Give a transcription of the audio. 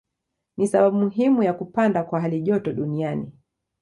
Ni sababu muhimu ya kupanda kwa halijoto duniani.